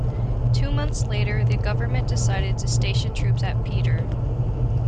Two months later, the government decided to station troops at Petre.